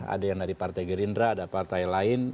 ada yang dari partai gerindra ada partai lain